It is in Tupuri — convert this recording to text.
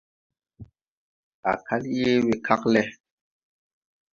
Á kal yee wekag lɛ.